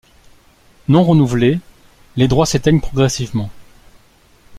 Non renouvelés, les droits s'éteignent progressivement.